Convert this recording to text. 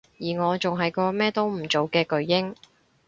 而我仲係個乜都唔做嘅巨嬰